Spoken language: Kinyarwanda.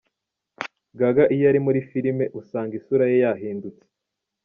Gaga iyo ari muri filime usanga isura ye yahindutse.